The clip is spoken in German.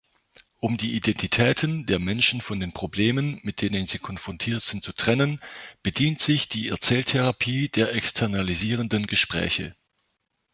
Um die Identitäten der Menschen von den Problemen, mit denen sie konfrontiert sind, zu trennen, bedient sich die Erzähltherapie der externalisierenden Gespräche.